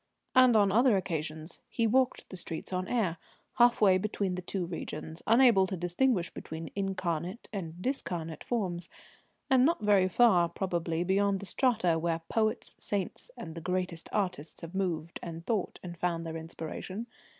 And on other occasions he walked the streets on air, half way between the two regions, unable to distinguish between incarnate and discarnate forms, and not very far, probably, beyond the strata where poets, saints, and the greatest artists have moved and thought and found their inspiration.